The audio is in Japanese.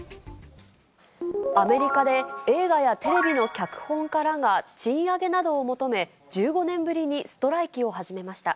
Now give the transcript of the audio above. アメリカで映画やテレビの脚本家らが賃上げなどを求め、１５年ぶりにストライキを始めました。